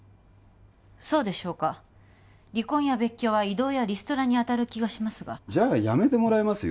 そうでしょうか離婚や別居は異動やリストラにあたる気がしますがじゃやめてもらいますよ